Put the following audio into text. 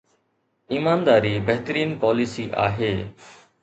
ايمانداري بهترين پاليسي آهي.